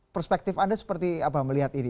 perspektif anda seperti apa melihat ini